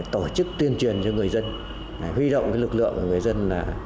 tổ chức tuyên truyền cho người dân huy động lực lượng của người dân